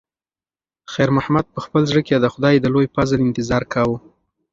خیر محمد په خپل زړه کې د خدای د لوی فضل انتظار کاوه.